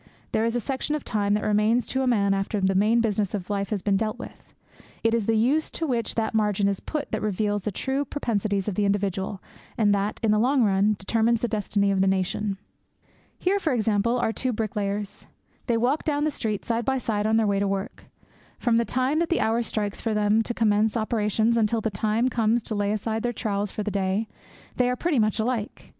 There is a section of time that remains to a man after the main business of life has been dealt with. It is the use to which that margin is put that reveals the true propensities of the individual and that, in the long run, determines the destiny of the nation. Here, for example, are two bricklayers. They walk down the street side by side on their way to their work. From the time that the hour strikes for them to commence operations until the time comes to lay aside their trowels for the day, they are pretty much alike.